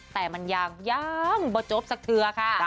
แต่มันยังยังบจบสักเทือค่ะ